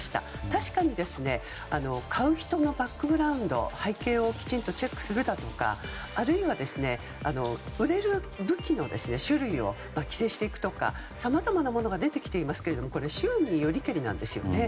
確かに買う人のバックグラウンド背景をきちんとチェックするだとかあるいは、売れる武器の種類を規制していくとかさまざまなものが出てきていますけど州によりけりなんですね。